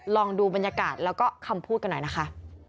ลองดูบรรยากาศแล้วก็คำพูดกันหน่อยนะคะ